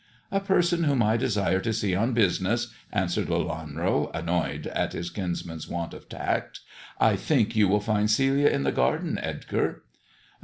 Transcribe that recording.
A person whom I desire to see on business," answered Lelanro, annoyed at his kinsman's want of tact. " I think you will find Celia in the garden, Edgar."